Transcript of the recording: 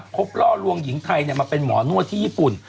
ล่อลวงหญิงไทยมาเป็นหมอนวดที่ญี่ปุ่น